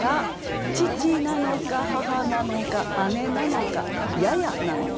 「父」なのか「母」なのか「姉」なのか「嬰」なのか。